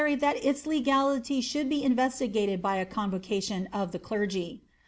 961 fkiy that its legality should be inrestigated by a conrocatioit of the clergy.